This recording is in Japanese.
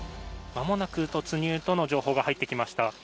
まもなく突入との情報が入ってきました。